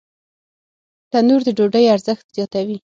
تنور د ډوډۍ ارزښت زیاتوي